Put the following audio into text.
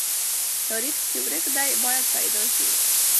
تاریخ چې ورک دی، باید پیدا سي.